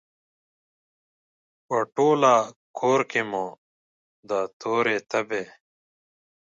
په ټوله کورکې کې مو د تورې تبې،